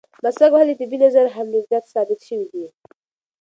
مسواک وهل د طبي نظره هم ډېر زیات ثابت شوي دي.